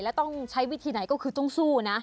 แล้วต้องใช้วิธีไหนก็คือต้องสู้นะ